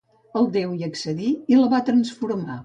El déu hi accedí i la va transformar.